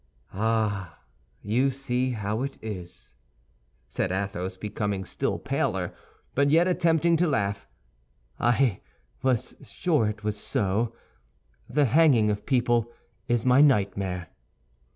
"Ah, you see how it is," said Athos, becoming still paler, but yet attempting to laugh; "I was sure it was so—the hanging of people is my nightmare."